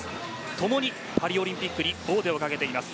共にパリオリンピックに王手をかけています。